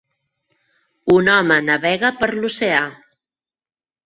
Un home navega per l'oceà